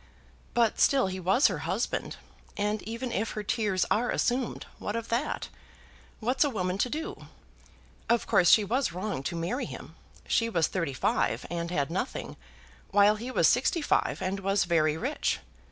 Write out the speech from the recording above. "But still he was her husband. And even if her tears are assumed, what of that? What's a woman to do? Of course she was wrong to marry him. She was thirty five, and had nothing, while he was sixty five, and was very rich.